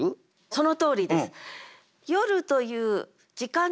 そのとおりです。